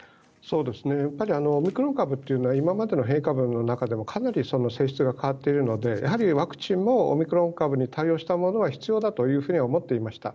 やっぱりオミクロン株というのは今までの変異株の中でもかなり性質が変わっているのでやはりワクチンもオミクロン株に対応したものは必要だと思っていました。